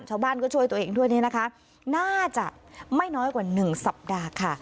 ชาวบ้านก็ช่วยตัวเองด้วยเนี่ยนะคะน่าจะไม่น้อยกว่าหนึ่งสัปดาห์ค่ะ